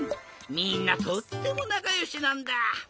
みんなとってもなかよしなんだ。